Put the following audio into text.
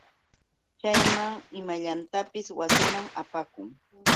Chaynam imallatapis wasinman apakun.